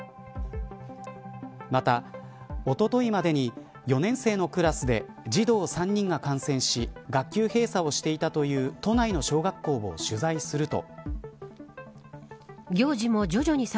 また、おとといまでに４年生のクラスで児童３人が感染し学級閉鎖をしていたという都内の小学校を取材すると。